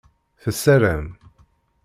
Tessaram.